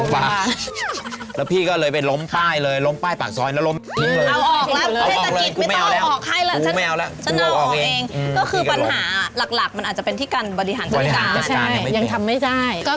บริหารจัดการยังไม่เป็น